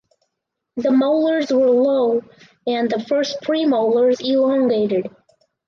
The molars were low and the first premolars elongated.